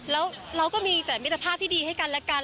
แล้วเราก็มีแต่มิตรภาพที่ดีให้กันและกัน